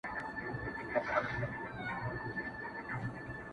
دا وحسي ځواک انسان له انسانيت څخه ليري کوي او توره څېره څرګندوي،